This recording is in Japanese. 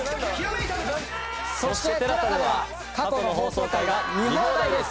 そしてＴＥＬＡＳＡでは過去の放送回が見放題です！